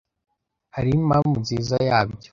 Hariho impamvu nziza yabyo.